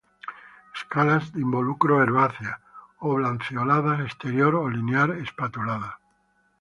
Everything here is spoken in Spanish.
Escalas de involucro herbáceas; oblanceoladas exterior o linear-espatuladas.